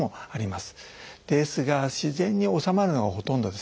ですが自然に治まるのがほとんどです。